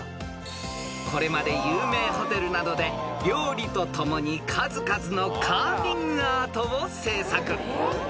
［これまで有名ホテルなどで料理とともに数々のカービングアートを制作］